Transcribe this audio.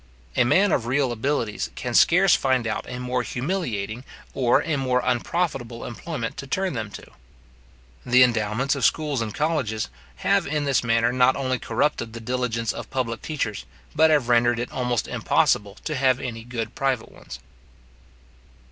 A man of real abilities can scarce find out a more humiliating or a more unprofitable employment to turn them to. The endowments of schools and colleges have in this manner not only corrupted the diligence of public teachers, but have rendered it almost impossible to have any good private ones.